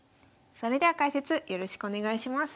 それでは解説よろしくお願いします。